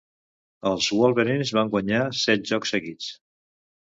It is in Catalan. Els Wolverines van guanyar set jocs seguits.